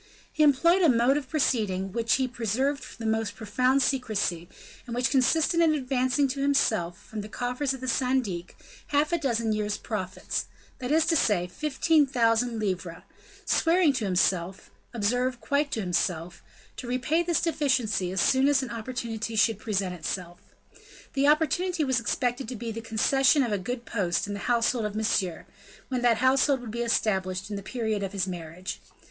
He employed a mode of proceeding, upon which he preserved the most profound secrecy, and which consisted in advancing to himself, from the coffers of the syndic, half a dozen year's profits, that is to say, fifteen thousand livres, swearing to himself observe, quite to himself to repay this deficiency as soon as an opportunity should present itself. The opportunity was expected to be the concession of a good post in the household of Monsieur, when that household would be established at the period of his marriage.